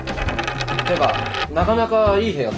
てかなかなかいい部屋っすね。